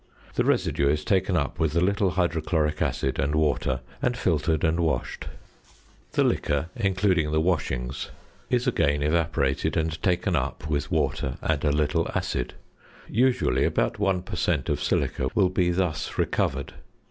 The residue is taken up with a little hydrochloric acid and water and filtered and washed. The liquor, including the washings, is again evaporated and taken up with water and a little acid. Usually about 1 per cent. of silica will be thus recovered.